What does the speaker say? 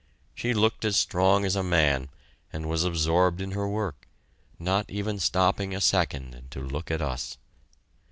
She looked as strong as a man, and was absorbed in her work not even stopping a second to look at us.